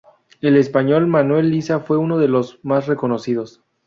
El español Manuel Lisa fue uno de los más reconocidos.